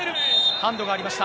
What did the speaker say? ハンドがありました。